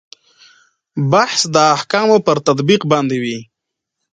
بحث د احکامو پر تطبیق باندې وي.